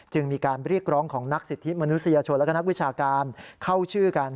มีการเรียกร้องของนักสิทธิมนุษยชนและนักวิชาการเข้าชื่อกัน